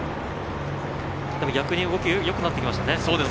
逆に動きよくなってきましたね。